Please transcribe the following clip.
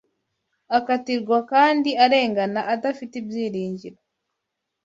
akatirwa kandi arengana, adafite ibyiringiro